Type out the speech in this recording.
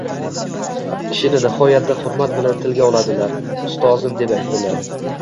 kishini nihoyatda xurmat bilan tilga oldilar. Ustozim – deb aytdilar.